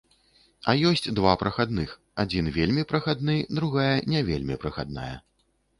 А ёсць два прахадных, адзін вельмі прахадны, другая не вельмі прахадная.